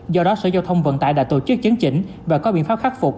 do đó sở giao thông vận tải đã tổ chức chấn chỉnh và có biện pháp khắc phục